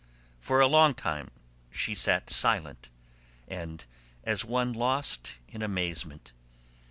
For a long time she sat silent and as one lost in amazement.